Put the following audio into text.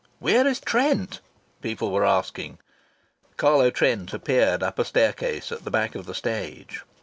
"Where is Trent?" people were asking. Carlo Trent appeared up a staircase at the back of the stage.